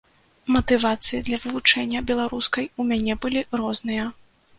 Матывацыі для вывучэння беларускай у мяне былі розныя.